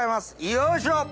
よいしょ！